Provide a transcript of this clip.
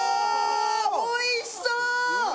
おいしそう！